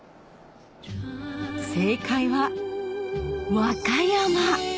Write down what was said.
正解は和歌山